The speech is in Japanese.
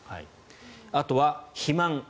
あとは肥満。